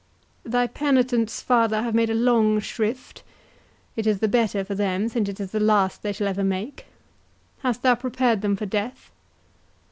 "Thy penitents, father, have made a long shrift—it is the better for them, since it is the last they shall ever make. Hast thou prepared them for death?"